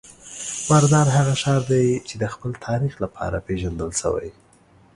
مردان هغه ښار دی چې د خپل تاریخ لپاره پیژندل شوی.